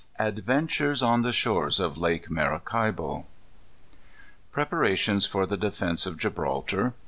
Adventures on the Shores of Lake Maracaibo. Preparations for the Defence of Gibraltar.